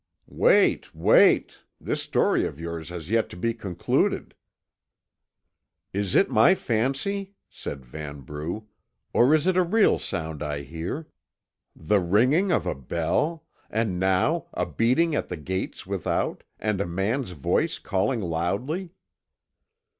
"Wait wait. This story of yours has yet to be concluded." "Is it my fancy," said Vanbrugh, "or is it a real sound I hear? The ringing of a bell and now, a beating at the gates without, and a man's voice calling loudly?"